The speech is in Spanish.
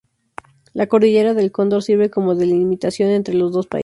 La Cordillera del Cóndor sirve como delimitación entre los dos países.